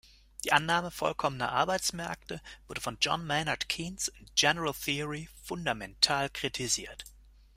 Die Annahme vollkommener Arbeitsmärkte wurde von John Maynard Keynes in "General Theory" fundamental kritisiert.